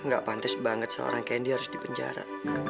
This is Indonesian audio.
gak pantas banget seorang candy harus di penjara